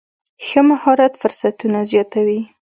ښه مهارت فرصتونه زیاتوي.